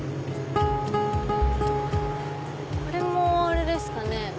これもあれですかね。